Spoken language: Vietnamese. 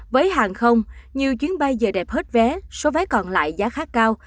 với hàng không nhiều chuyến bay giờ đẹp hết vé số vé còn lại giá khá cao